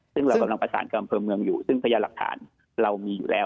ซึ่งเรากำลังประสานกับอำเภอเมืองอยู่ซึ่งพยานหลักฐานเรามีอยู่แล้ว